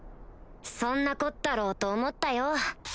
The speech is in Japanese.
そんなこったろうと思ったよ